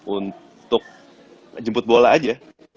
untuk jemput bola aja